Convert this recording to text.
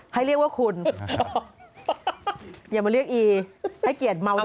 ให้เรียกว่าคุณอย่ามาเรียกอีให้เกียรติเมา